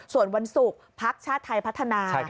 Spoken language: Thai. ส่วนวันศุกร์พักชาติไทยพัฒนา